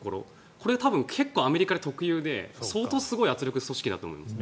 これ、結構アメリカに特有で相当すごい圧力組織だと思います。